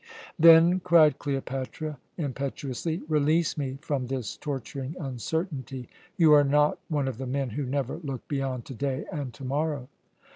"Then," cried Cleopatra impetuously, "release me from this torturing uncertainty. You are not one of the men who never look beyond to day and to morrow."